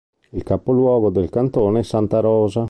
Il capoluogo del cantone è Santa Rosa.